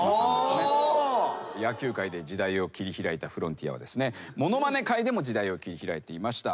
野球界で時代を切り開いたフロンティアはですねものまね界でも時代を切り開いていました。